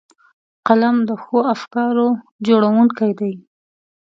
قلم د ښو افکارو جوړوونکی دی